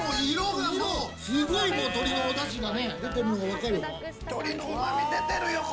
すごい鶏のおだしが出てるのが分かる。